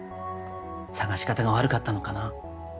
捜し方が悪かったのかな